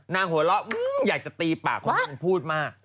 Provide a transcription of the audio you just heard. นางหัวเราะอยากจะตีปากนะใบของพูดมาก